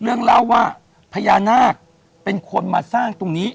เล่าว่าพญานาคเป็นคนมาสร้างตรงนี้